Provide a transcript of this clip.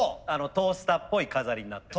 トースターっぽい飾りになって。